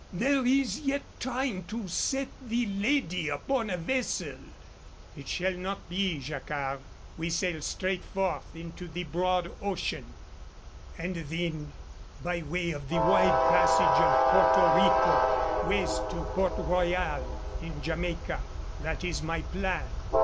There is yet time to set the lady upon a vessel." "It shall not be, Jacquard. We sail straight forth into the broad ocean, and then by way of the wide passage of Porto Rico, west to Port Royal, in Jamaica. That is my plan.